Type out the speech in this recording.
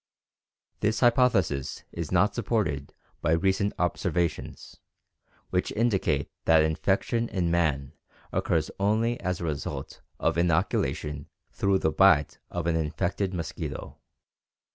This hypothesis is not supported by recent observations, which indicate that infection in man occurs only as a result of inoculation through the bite of an infected mosquito.